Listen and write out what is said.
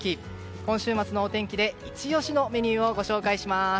今週末のお天気でイチ押しのメニューをご紹介します。